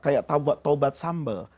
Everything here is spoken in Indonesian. kayak tobat sambal